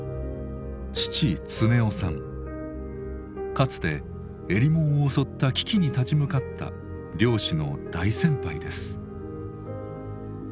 かつてえりもを襲った危機に立ち向かった漁師の大先輩です。